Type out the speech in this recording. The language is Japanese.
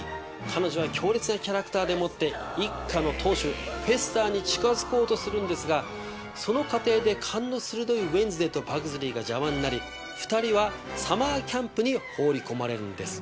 彼女は強烈なキャラクターでもって一家の当主フェスターに近づこうとするんですがその過程で勘の鋭いウェンズデーとパグズリーが邪魔になり２人はサマーキャンプに放り込まれるんです。